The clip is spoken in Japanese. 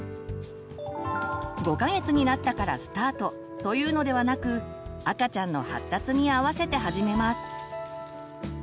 ５か月になったからスタートというのではなく赤ちゃんの発達にあわせて始めます。